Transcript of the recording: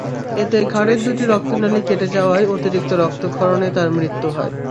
এতে ঘাড়ের দুটি রক্তনালি কেটে যাওয়ায় অতিরিক্ত রক্তক্ষরণে তাঁর মৃত্যু হয়।